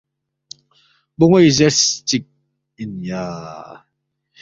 بونوی زیرس چک ان یا ۔